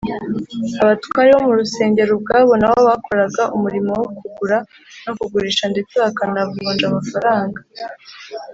abatware bo mu rusengero ubwabo nabo bakoraga umurimo wo kugura no kugurisha ndetse bakanavunja amafaranga